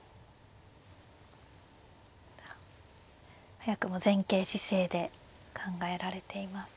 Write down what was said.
早くも前傾姿勢で考えられています。